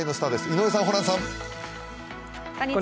井上さん、ホランさん。